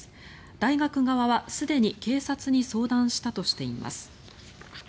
大学側は、すでに警察に相談したとしています。